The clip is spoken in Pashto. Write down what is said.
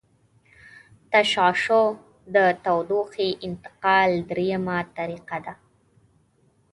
تشعشع د تودوخې انتقال دریمه طریقه ده.